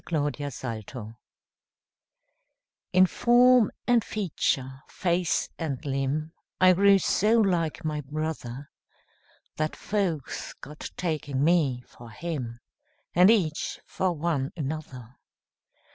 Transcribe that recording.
Y Z The Twins IN FORM and feature, face and limb, I grew so like my brother, That folks got taking me for him, And each for one another.